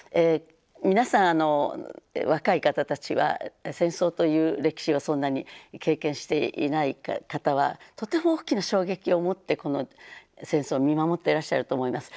皆さん若い方たちは戦争という歴史をそんなに経験していない方はとても大きな衝撃を持ってこの戦争を見守ってらっしゃると思います。